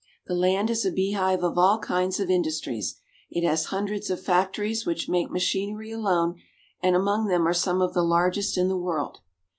The land is a beehive of all kinds of industries. It has hun dreds of factories which make machinery alone, and among them are some of the largest in the world.